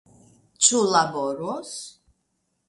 Ĉu laboros?